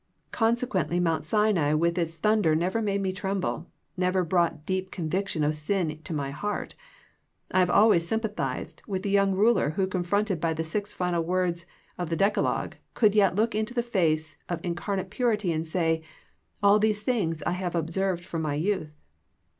Consequently Mount Sinai with its thunder never made me tremble, never brought deep con viction of sin to my heart. I have always sym pathized with the young ruler who confronted by the six final words of the decalogue, could yet look into the face of incarnate purity and say, " All these things have I observed from my youth."